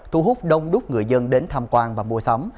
thu hút đông đúc người dân đến tham quan và mua sắm